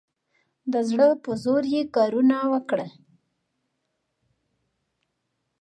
د زړه په زور یې کارونه وکړل.